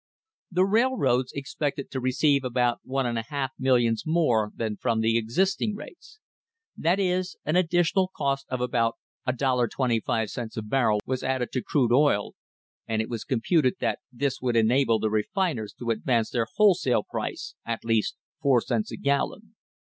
The railroads expected to receive about one and a half millions more than from the existing rates. That is, an additional cost of about $1.25 a barrel was added to crude oil, and it was computed that this would enable the refiners to advance their wholesale price at least four cents a gallon.